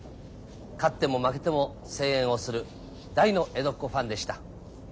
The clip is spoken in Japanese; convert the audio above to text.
勝っても負けても声援をする大の江戸っ子ファンでした。